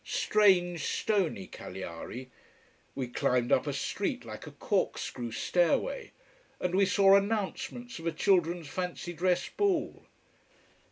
Strange, stony Cagliari. We climbed up a street like a corkscrew stairway. And we saw announcements of a children's fancy dress ball.